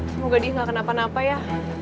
semoga dia gak kena apa apa ya